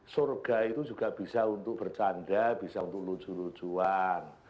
surga itu juga bisa untuk bercanda bisa untuk lucu lucuan